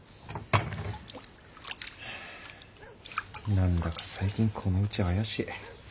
何だか最近このうちは怪しい。